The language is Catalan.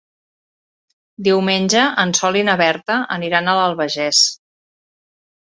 Diumenge en Sol i na Berta aniran a l'Albagés.